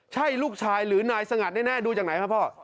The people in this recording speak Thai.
ใช่ลูกชายหรือนายสงัดแน่ดูจากไหนครับพ่อ